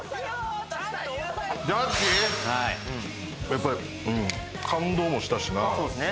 やっぱり感動もしたしなそうですね